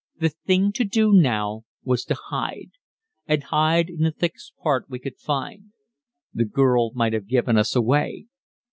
The thing to do now was to hide, and hide in the thickest part we could find. The girl might have given us away.